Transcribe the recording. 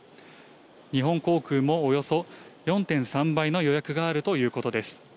日本航空もおよそ４．３倍の予約があるということです。